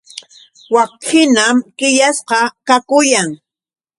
Wakhinam qillasqa kakuyan.